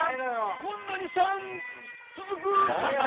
こんなに３続く？